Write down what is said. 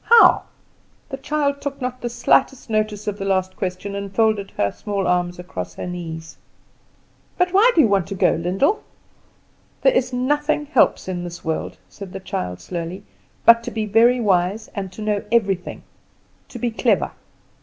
"How?" The child took not the slightest notice of the last question, and folded her small arms across her knees. "But why do you want to go, Lyndall?" "There is nothing helps in this world," said the child slowly, "but to be very wise, and to know everything to be clever."